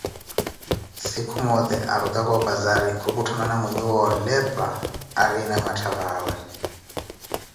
siikhu mote arrutaka opazari khukhuttana mwinhe wa oleepha aarina matthavawe